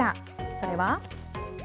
それは？